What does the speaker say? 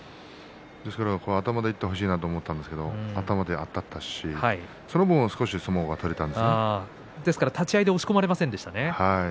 頭でいってほしいと思ったんですが、頭であたって立ち合いで押し込まれませんでしたね。